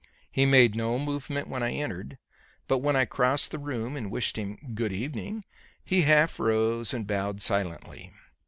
He made no movement when I entered, but when I crossed the room and wished him "Good evening," he half rose and bowed silently.